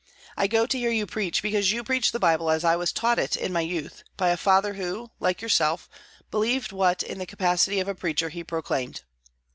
I go to hear you preach because you preach the Bible as I was taught it in my youth, by a father, who, like yourself, believed what in the capacity of a preacher he proclaimed.